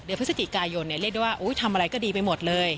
พฤศจิกายนเรียกได้ว่าทำอะไรก็ดีไปหมดเลย